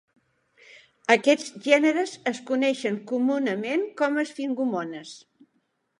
Aquests gèneres es coneixen comunament com a esfingomones.